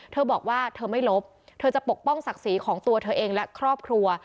เธอบอกว่าเธอไม่ลบเธอจะปกป้องศักดิ์ศรีของตัวเธอเองและครอบครัว